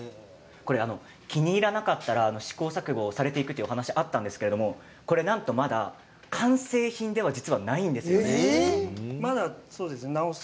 気に入らなかったら試行錯誤されていくというお話があったんですがなんとまだ完成品では実はないんですよね。